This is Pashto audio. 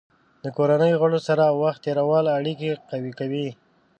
د کورنۍ غړو سره وخت تېرول اړیکې قوي کوي.